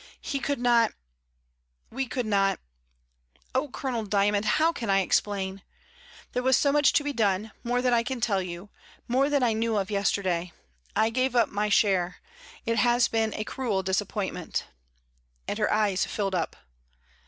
"He could not — we could not. ... Oh, Colonel Dymondl how can I explain? There was so much to be done — more than I can tell you — more than I knew of yesterday. I gave up my share. It has been a cruel disappointment," and her eyes filled up.